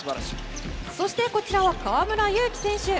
そして、こちらは河村勇輝選手。